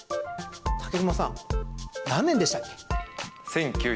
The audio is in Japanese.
武隈さん、何年でしたっけ？